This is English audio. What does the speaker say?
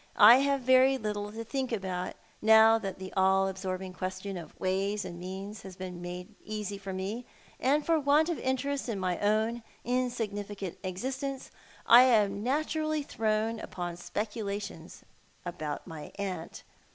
I have very little to think about, now that the all absorbing questiou of ways and means has been made easy for me ; and for want of interest in my own insignificant existence I am naturally thrown upon speculations about my aunt.